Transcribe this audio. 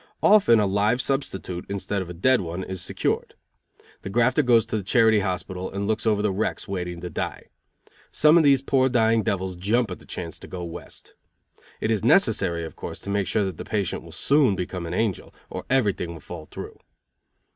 Often a live substitute, instead of a dead one, is secured. The grafter goes to the charity hospital and looks over the wrecks waiting to die. Some of these poor dying devils jump at the chance to go West. It is necessary, of course, to make sure that the patient will soon become an angel, or everything will fall through.